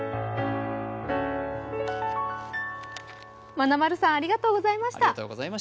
まなまるさんありがとうございました。